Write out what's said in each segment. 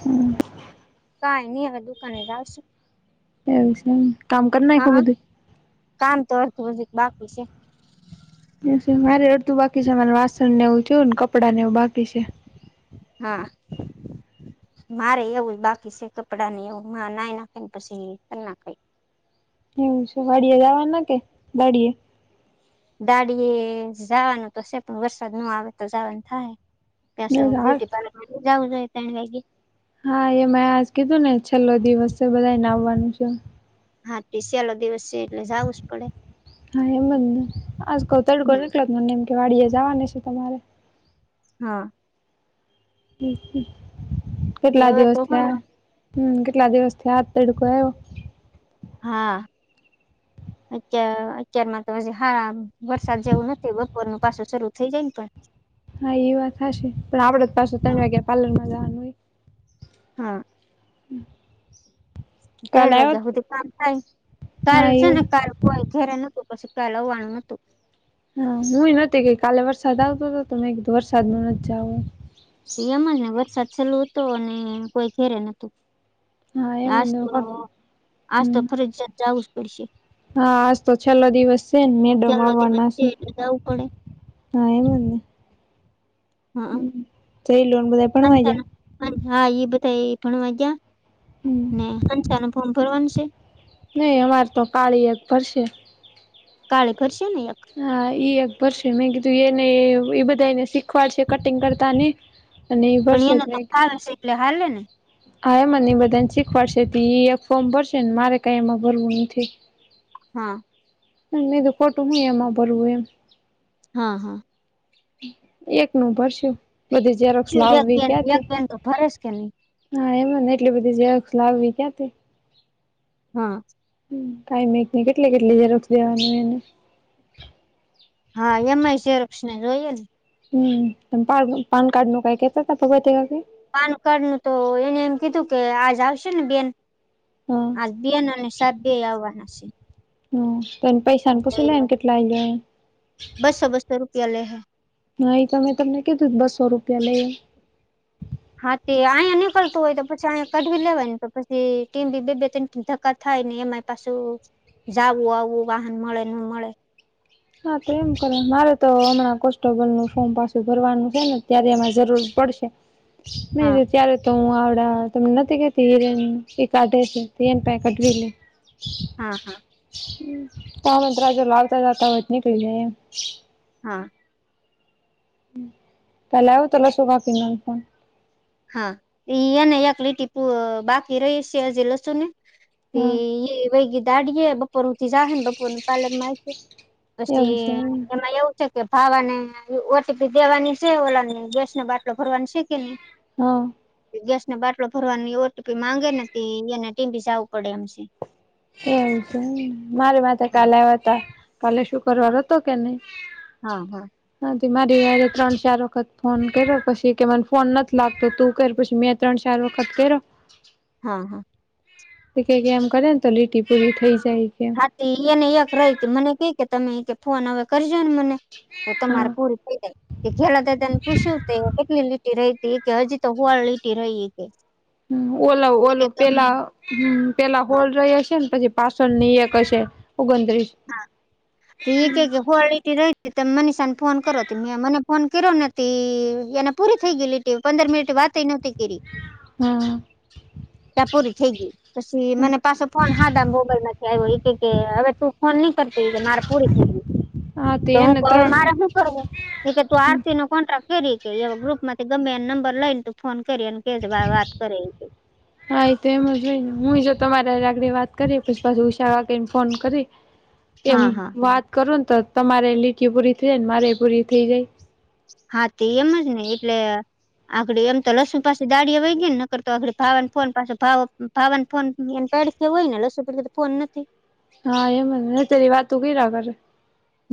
હમ, કાઈ ની હવે દુકાને જાવ છું. એમ છે કામ કર નાયખું હા બધુ. કામ તો અરધુ હજી બાકી છે. મારે અડધુ બાકી છે મારે વાસણ ને એવું થયું ને કપડાં ને એવું બાકી છે. હા, મારે એવું બાકી સે કપડાં ને એવું હમણાં નાઈ નાખે ન પછી કરી નાખાય, એવું છે વાડીયે એજાવાના કે વાડીયે. વાડી એ જાવાનું તો છે પણ વરસાદ નો આવે તો જાવાનું થાહે, ત્યાંસ બ્યુટી પાર્લર નઈ જવું જોઈએ તૈણ વાગે હા એમાય આજ કીધું ને છેલ્લો દિવસ છે બધાય ને આવવાનું સે, હા તી શ્યેલો દિવસ છે એટલે ઝાવું જ પડે. હા એમ જ ને આંઝ કઉ તૈડકો નીકળ્યો મને કેમકે વાડીયે જવાની હશે તમારે હા કેટલા હવે દિવસ તો થ્યા હમ કેટલા દિવસ થ્યા આજ તડકો આઈવો. હા [unintelligible] અત્યા અત્યારમાં તો હજી વરસાદ જેવું નથી બપોરનું પાસું શરૂ થઇ જાય ને પણ હા ઈ વાત હાશી પણ આપડે તો પાછું ત્રણ વાગ્યે પાર્લર માં જવાનું હ હા હમ [unintelligible] તૈણ વાગ્યા હુધી કામ થાય કાલ હા એ સેને કાલ કોય ઘેરે નતું પછી કાલ આવાણુ નતું. હા હુંય નતી ગઈ કે કાલે વરસાદ આવતો તો તો મેં કીધુ વરસાદ નુ નથ જાવુ. એમ જ ને વરસાદ છેલ્લું હતો અને કોઈ ઘેરે નતું. હા એ આજ તો બધું આજ તો હમ ફરજિયાત જવું જ પડશે. હા આજ તો છેલ્લો દિવસ સે ને મેડમ છેલ્લો દિવસ આવવાના છે. એટલે જવું પડે હા એમ જ ને હા હ જઈ લોને બધા ભણવા ગયા હા એઈ ઈ બધાં ભણવાજ્યા ને અચછા અને ફોર્મ ભરવાનું છે. નહી અમારે તો કાળી એક ભરશે. કાળી કરશે ને એક હા ઈ એક ભર શે મેં કીધું એને એ બધાને શીખવાડશે કટિંગ કરતા ને અને એ ભરષે જ લે હાલે હા એ મને એ બધાને શીખવાડશે તે ઈ એક એ એક ફોર્મ ભરશે ને મારે કઈ એમાં ભરવું નથી. હ [unintelligible] હા હ મે કીધું ખોટું હું એમાં ભરવું એમ હા હા એક નુ ભરસું બધી જેરોક્સ શું એક લાવવી બેન એક ક્યાથી. બેન તો ભરે જ કે નહીં હા એમાં ને એટલી બધી જ ઝેરોક્સ લાવવી ક્યાંથી. હા કાઈ નકી ની કેટલી કેટલી ઝેરોક્સ દેવાની હોય એને. હા એમાંય ઝેરોક્ના ને ઈ જોઈએને હમ પાન પાનકાડ નું કઈ કેતાતા [unintelligible] પાનકાડ નું તો એને એમ કીધું કે આજ આવશે ને બેન હા આજ બેન અને સાયબ બેય આવવાના શે. હ તો એને પૈસાને પુશી લેવાય ને કેટલા વાગ્યે આવે એમ. બસો બસો રૂપિયા લેહે હા એ તો મે તમને કીધું બસો રૂપિયા લય એમ. હા તે આયા નીકળતું હોય તો પછી અંયા કઢવી લેવાય ને તો પછી ટીમ બી બે બે તન ધક્કા થાય ને એમાંય પાછું જાવું આવવું વાહન મળે નો મળે. હા તો એમ કરો મારે તો હમણાં કોન્સ્ટેબલ નું ફોર્મ પાછું ભરવાનું હે ને ત્યારે એમાં જરૂર પડશે [unintelligible] મે હા કુ ત્યારે તો હું આવડા તને નથી કેતી હિરેન એ કાઢે છે એની પાહે કઢવી લે. હા હા, [unintelligible] [inaudible] આવતા જતા હોય તો નીકળી જાય એમ. હા, કાલે આવીયો તો લસુ કાપીને લાવતા, હા ઇ એને એક લીટી પ બાકી રહીશે લસુ ની એ હા ઇ વૈગી દાડીએે બપોર હુદી જાહે બપોર કાલે એના માયકે. એવું છે પછી એમ તમા એવુ, કે ભાવાને ઓટીપી દેવાની છે ઓલા ને ગેસ નો બાટલો ભરવાની છે કે ની, હા, ગેસ નો બાટલો ભરવાની ઓટીપી માંગે ને તો એને ટીંબે જાવું પડે એમ છે. એમ છે મારે માથે હા કાલે આવે તા કાલે શું, પરવાર હા હતો કે નઇ, હા તો મારે હારેય ત્રણ ચાર વખત ફોન કર્યો પછી કે મને ફોન નથી લાગતો તું કર પછી મેં ત્રણ ચાર વખત કયરો હા, એ કંઈક એમ કરે ને તો લીટી પૂરી થઇ જાય છેએમ કે, હા એને એક રહી તી મને કે કે તમે એ કે ફોન હવે કરજો ને મને તો તમારે પૂરું, [inaudible] કે ખેડાતા તેને પૂછ્યું તે કેટલી લીટી રહી તી એ કે હજી તો હોળ લીટી રહી કે હમ ઓલાવ એ કે ઓલું તમે પેલા પેલા હા હોળ રહી હશે ને પછી. પાછળ ની એક હશે ઓગણત્રીસ. હા તો ઇ કે કે હોળ લીટી રઇ. તમે મનીષાને ફોન કરો તો મે મને ફોન કર્યો ને તો એને પૂરી થઈ ગયેલી. તેઓ પંદર મિનિટ વાતઈ નહોતી કેરી હા ત્યાં પૂરી થઈ ગઈ પછી મને પાછો ફોન હાદા મોબાઈલ માંથી આવ્યો ઈ કે કે હવે તું, ફોન ની કરતી કે મારે પૂરી થઈ ગઈ હા તે તો હું એને કવ ત્રણ મારે હું? એકે તું આરતી ન કોન્ટ્રાક્ટ કરી કે ગ્રુપમાંથી ગમે એને નંબર લઈ ને તું ફોન કરીએ કે જ વાર વાત કરે છે ઈ કે, હા તો એ એમ જ હોય ને હુંય જો તમારે આગળી વાત કરી પછી [unintelligible] ને ફોન કરીને એમ હા હા વાત કરું તો તમારે લીટીઓ પૂરી થઈ જાય મારે પૂરી થઈ ગઈ. હા તે એમ જ ને એટલે, એટલે એમ તો લસુ પાસે, ગાડી વય ગય નકર તો ભાવાને ફોન પાછો ભાવ-ભાવાને ફોન પેડસે હોય ને લસુ પાસે તો ફોન નથી. હા એમ જ એતો એવી વાતો કયરા કરે,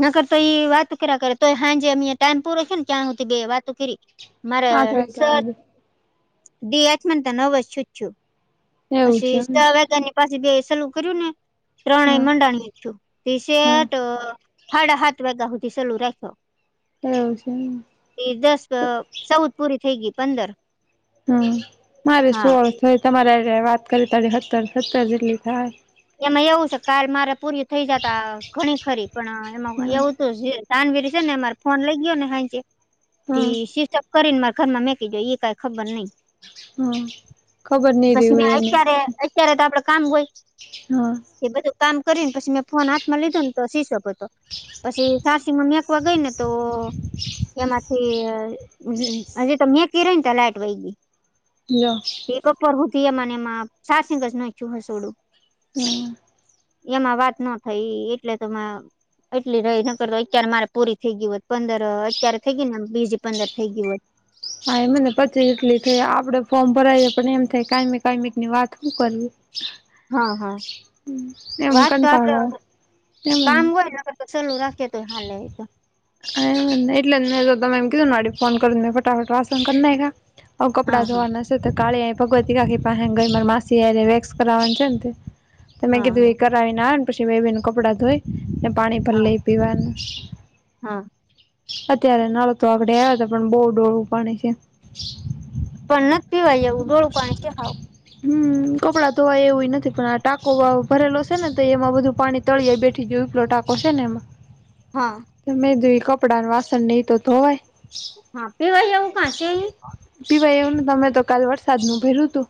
નકર તો ઇ વાતો કીરાયા કરે તોય હાંજે એમ ઇ ટાઈમ પૂરો થયો ને ત્યાં હુધી વાતો કરી. મારે આઠ વાગ્યા સર હુધી દી આઠમન તો નવજ છૂટ્યું એવું છે પછી એમ [unintelligible] [inaudible] પછી મે સરુ કર્યું ને ત્રણેય હા મંડાણી તે હા સેટ, હાડા હાત વાગ્યા હુધી સલું રાખ્યો. એવું છે એમ, એ દસ ચૌદ પૂરી થઈ ગઈ પંદર, હમ મારે હા સોળ થઇ તમારે હારે વાત કરી હત્તર જેટલી થાહે, એમાં એવું છે કાલ મારે પૂરી થઇ જાતા ઘણી ખણી ખરી પણ એમાં હા એવું તો જે તાનવીર છે ને અમારે ફોન લઈ ગયો ને આઇથી તે હા સ્વીચ ઓફ કરીને માર ઘરમાં મેકી ગય એ કાઈ ખબર નઈ, હા ખબર નઈ રહી પછી કે હોય એને અત્યારે અત્યારે તો આપડે કામ હોય હા એ બધું કામ કરીને પછી મેં ફોન હાથમાં લીધો ને શિશબ હતો પછી સારસીમાં મેકવા ગઈ ને તો એમાંથી હજ તો મે [unintelligible] લાટ વહી ગઈ. લો એ બપોર હુતી એમાં ને એમાં ચાર્જિંગ કરી નાખ્યું હશે ઓલુ. હમ એમાં વાત ન થઈ એએ એટલે તોમાં. એટલી રહી નકર તો અત્યારે મારે પૂરી થઈ ગયું હોય પંદર અત્યારે થઈ ગય ને બીજી પંદર થઈ ગયું હોત. હા એ મને પછી એટલી થઈ આપડે ફોર્મ ભરાયએ પણ એમ થાય કાયમી કાયમી ની વાત હું કરવી [inaudible] હા હા એમ વાત તો આપડે કંટાળો આવે એમન કામ હોયને તો ચાલુ રાખીએ તો હાલે તો એટલે મે કીધું તમે એમ કીધું ફોન કરીં ફટાફટ વાસન કર નાયખા હવે કપડા હા હા ધોવાના તે કાલે અહીં ભગવતી કાકી પાસે ગઈ માર માસી હરે મારે વેક્સ કરાવા તે ત મેં હા કીધું હા. એ કરાવીનેને પછી મેંબી નું કપડાં ધોય ને પાણી ભર હા લઈ પીવાનું. હા અત્યારે નળ તો આગળે આવ્યા હતા પણ બહુ ડોહળુ પાણી છે. પણ નથ પીવાય એવું ડોળુ પાણી કે હાવ હમ કપડાં ધોવાય એવું ય નથી પણ આ ટાકો ભરેલો છે ને તો એમાં બધું પાણી તળિ જાય બેથી જેવી પેલો ટાકો છે ને એમાં. હા તમે મેં કીધું કપડા ન વાસણ એ તો ધોવાય હા પીવાય આવું ક્યાં સે એ. પીવાય એવું નથી અમે તો કાલ વરસાદ નું પીધું હતુ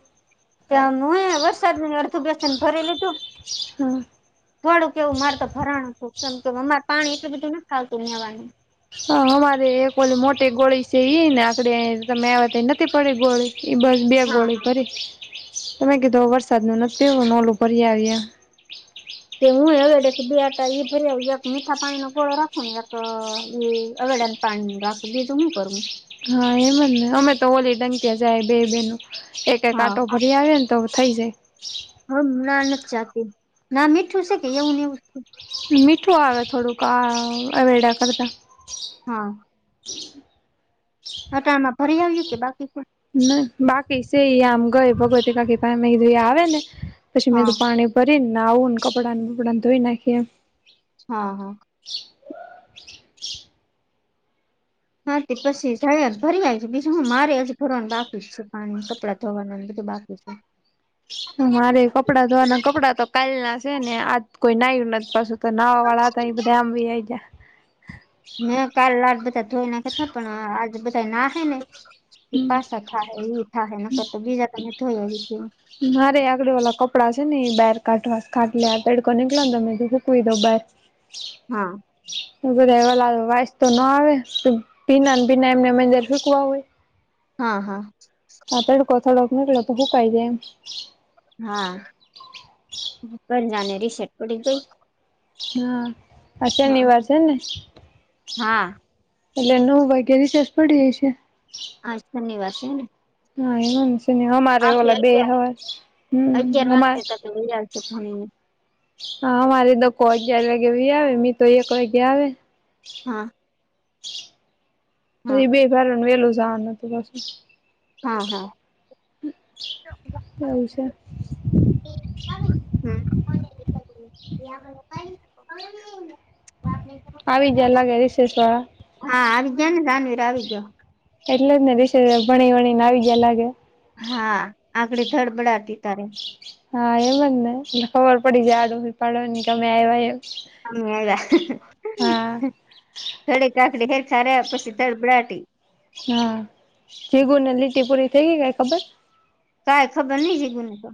ત્યાં નું હે વરસાદની અર્ધવ્યસન ભરી લીધું. હ થોડું કેવું મારે તો ભરણું હતું કેમ કે અમારે પાણી એટલું બધું નથ આવતું મેવાનું. હા અમારે એક ઓલી મોટી ગોળી છે ઈ ને આડી તમે આવ તો નથી પડી ગોળી. એ બસ બે હા ગોળી હા ભરી તમે કીધો વરસાદનું નથીું નોલું ભરી આવી એમ કે હું એ હવે [inaudible] મીઠા પાણી નો ગોળો રાખો ને એક અવેડાનું પાણી રાખ બીજુ તો હું કરું હા એમ જ ને અમે તો ઓલી ઘંટી જાય બે બેનું. એક એક હા આંટો ભરી આવે ને તો થઈ જાય. હમ ના નથી જાતી ના મીઠું છે કે એવું ને એવ મીઠું આવે થોડું આ અવેડા કરતા. હા ઘટામાં ભરી આવ્યું કે બાકી કોઈ ના બાકી સે આમ એ આમ ગયો ભગવતે કાકી પાહે આવે ને પછી મે હા તું પાણી કરીન આવું ને કપડાં ને બપડા ને ધોઈ નાખીએ હા હા હા તે પછી જઇ આઈસ ભરીઆઈસ બીજું હું મારેય હજુ બાકી ભરવાનું બાકી છે પાણી કપડાં ધોવાના હજી તો બાકી છે. મારે કપડા ધોવાના કપડાં તો કાલ ના છે ને આજ કોઈ નાયુ નથ પાછું. તો નાવા વાળા હતા એ બધા તો આમ વયા ગયા. મેં કાલ આજ બધા ધોઈ નાખા હતા પણ આજે બધા નાહે ને કે પાસા થા હૈ ઇ થા હે નકર તો બીજા તો મેં ધોઈ નાખ્યા. મારે આગળ ઓલા કપડા છે ને ઇ બહાર કાઢવા સ ખાટલે આ તડકો નિકળ્યો તો સૂકવી દઉ બાર. [inaudible] હા [unintelligible] વાસ તો ના આવે ભીના ન ભીના એમને એમ સુકવયા હોય. હા હા આ તડકો થોડોક નીકળયો તો હુંકાઇ જાય એમ હા [unintelligible] બધાને રીસેસ પડી ગઈ. હા આજ શનિવાર છે ને હાઆ એટલે નવ વાગે રીસેસ પડી હશે. આજ શનિવાર છે ને [unintelligible] હા એમ જ ને [unintelligible] અમારે ઓ આપડે બે અગિયાર હોય હમ અગિયાર [unintelligible] હમાર. વાગે તક વૈયા છે ભણીને હા અમારે ડકો અગીયાર વાગે વાઈઆવે મી તો એક વાગ્યા આવે. હાઆ એ બે ભારા ને વેલું જવાનું હતું પાસુ. હા હા એવું છે [inaudible] [inaudible] આવીગયા લાગે છે રીસેસવાળા. હા આવી ગયા ને જાનવીર આવી ગયો. એટલે જ ને દીસે ભણી વણી ને આવી ગયા લાગે. હા આકડી ધડબડાતી તારે. હા એમ જ ને એટલે ખબર પડી જાયઆડોશી પાડોશીને અમે આવ્યા એમ. અમે આવ્યા હા હ હ થોડી કાકડી [unintelligible] પછી તડબડાતી [unintelligible] હા જીગુને લીટી પૂરી થઈ ગઈ ખબર કાઈ ખબર નહિ જીગુ નીતો.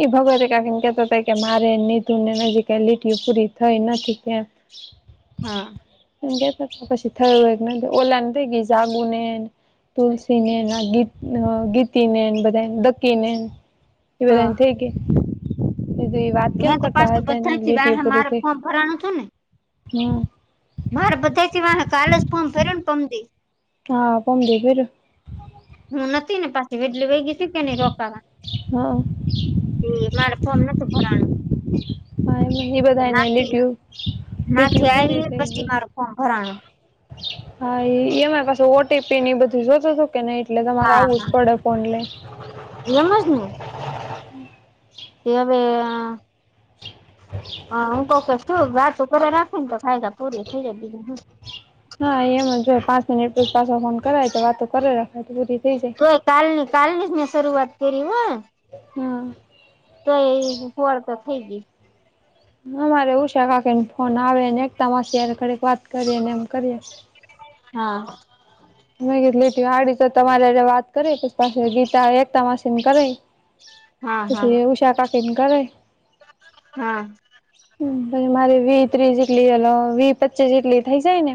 ઈ ભગવતી કાકી ને કહેતા હતા કે મારે અને નીતુ ને હજી લીટયો પૂરી થઇ નથી કે એમ [inaudible] હા કેતા હતા પછી થયું હોય નથી ઓલા ને થઈ ગઈ જાગુંનેને તુલસીને ના ગીત ગીતી ને બધાયને [unintelligible] [unintelligible] એ બધા હા ને થઇ ગઇ. [unintelligible] એ બધાં વાત કેમ મેં તો કરતા પાછું હતાને બધાથી લીટી વાહે ઓ પુરી મારે થઈ ફોર્મ ભરાણું હતું ને હમ. મારે બધા થી વાહે કાલજ ફોર્મ ભર્યું ને પમદી હા પમદી [unintelligible] હું નથી ને પાછી વેડલીવાઈ ગઇ તી ને રોકાવા. [inaudible] હા એ મારે ફોર્મ નતું ભરાણું ભાઈ ને ઇ બધા ને નાથી લીટીયું. [inaudible] નાથી લીટીયું પુરી આવી થઈ પછી ગઈ. મારું ફોર્મ ભરાણું હા એ એમાં પાસુ ઓટી પી એ બધું જોતો હતું કે નઈ એટલે તમારે આવું જ પડે. ઓનલાઇન. એમજ ને તે હવેઆ આ [inaudible] હા હું તોકે શું વાતો કરે રાખું ને તો કાયદા પૂરી થઇ જાય બીજું હું હા એમ જ હોય જો પાંચ મિનિટ પશી પાછો ફોન કરાય તો વાતો કરે રાખે તો પૂરી થઈ જાય તોય કાલની કાલની જ મે શરૂઆત કરી હ હમ્મ. તો એ ફોર તો થઈ ગઈ. હમ્મ મારે એવું છે કાકીને ફોન આવેને એકતા માસી ઘડીક વાત કરી ને એમ કરીએ. હા. [unintelligible] હાડી તો તમારેે વાત કરી અને પાછી ગીતા એકતા માસીને કરવી હા હા પછી ઉષા કાઠીન કરે. હા. મારે વી ત્રીસ જેટલી વી પચીસ જેટલી થઇ જાય ને.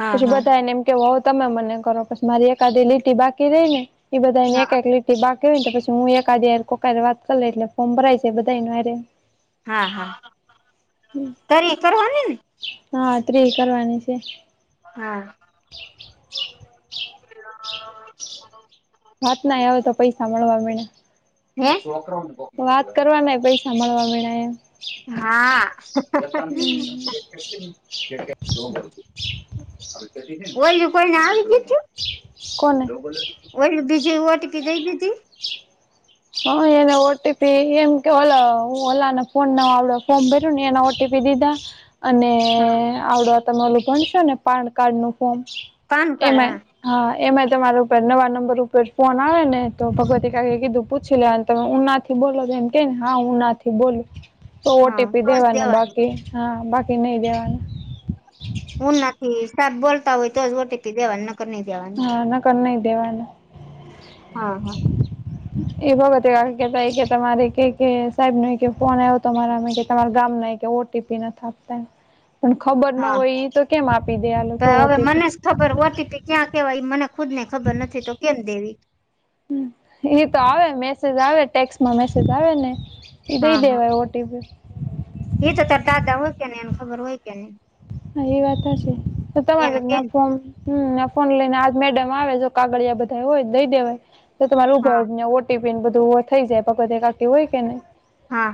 હા પછી હા બધાને એમ કેવા તમે મને કરો પછી મારી એકાધ લીટી બાકી રહી ને. એ બધા ને હા એક લીટી બાકી કેને પછી હું એક આદે કોક વાત કરી એટલે ફોર્મ ભરાય જાય છે તો હારે હા હા તરી એ કરવાની ને હા એ કરવાની છે. હા. [inaudible] [inaudible] વાત ના આવે તો પૈસા મળવા લાગ્યા [unintelligible] વાત કરવા પૈસા મળવા માંડ્યા એમ હા. [inaudible] કોઈ કોઈને આવ્યું તું કોને દઈ દીધી [unintelligible] હા એને ઓટીપી એમ કે ઓલો ઓલાને ફોન ન આવડ્યો ફોન ભર્યું ને એના બીજીતા અને હા આવડો તમેલું ભણશો ને પાન કાર્ડ નું ફોમ પાન કાર્ડ એમાં. હા એમાં તમારા ઉપર નવા નંબર ઉપર ફોન આવે ને તો ભગવતી કાકીએ કીધું. પૂછી લેને તમે ઉનાથી બોલો એમ કે ને હા ઉનાથી બોલ. તો હા ઓટી પી તો જ દેવાના દેવાની બાકી હા બાકી નહી દેવાના. ઉના થી સાત બોલતા હોય તો જ ઓટીપી દેવાનું હમ્મ. તો ની દેવાનું હા નકર નઈ દેવાનું હા હા એ ભગતે કેતા કે તમારે કેકે સાહેબ ન ફોન આવ તમારા કે તમારા ગામ ના. ઓટીપી ના આપતા પણ ખબર ના હા હોય તો કેમ આપી દે અને તો લોકો હવે ઓટીપી મને જ ખબર ઓટીપી ક્યાં કેવાય મને ખુદ ને ખબર નથી તો કેમ દેવી. એ તો આવે મેસેજ આવે ટેક્સ માં મેસેજ આવે ને. એ હા દઈ હા દેવાય ઓ ટી પી. એ તો તર દાદા હોય ને ખબર હોય કે નઈ હા એ વાત હાચી એને કે તમાર ફોમ. હમ ના ફોન લઈને આજ મેડમ આવે જો કાગળિયા બધા હોય દઈ દેવાય તો તમારે ઊભાં હા ઊભાં [unintelligible] ટીફિન બધું થઈ [unintelligible] હોય નહી. હા.